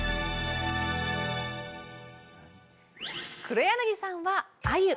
黒柳さんは「あゆ」